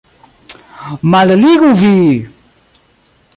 Malligu, vi!